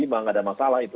gak ada masalah itu